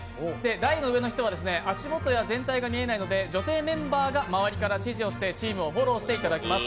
台の上の人は足元や全体が見えないので女性メンバーが周りから指示をしてチームを引っ張ってもらいます。